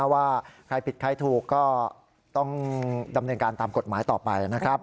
ว่าใครผิดใครถูกก็ต้องดำเนินการตามกฎหมายต่อไปนะครับ